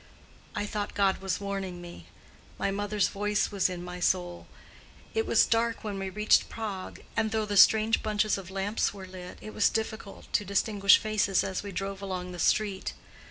I thought God was warning me: my mother's voice was in my soul. It was dark when we reached Prague, and though the strange bunches of lamps were lit it was difficult to distinguish faces as we drove along the street.